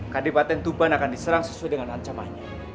kadipaten tuban akan diserang sesuai dengan ancamannya